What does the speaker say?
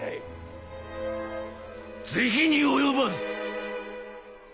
是非に及ばず。